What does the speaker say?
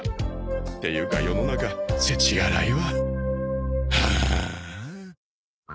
っていうか世の中世知辛いわ。